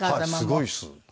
すごいです。